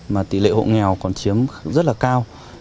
mà tỷ lệ hộ nghèo còn chiếm rất là cao